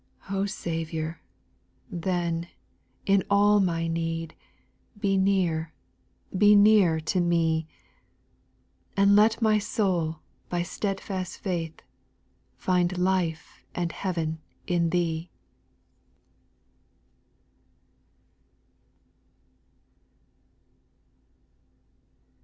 5. O Saviour, then, in all my need, Be near, be near to me ; And let my soul, by steadfast faith, Find life and heaven mT^e,^.